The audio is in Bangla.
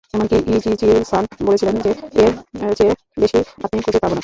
এমনকি ইজিচি-সান বলেছিলেন যে এর চেয়ে বেশি আমরা খুঁজে পাবো না।